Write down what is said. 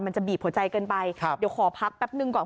มันจะบีบหัวใจเกินไปครับเดี๋ยวขอพักแป๊บนึงก่อน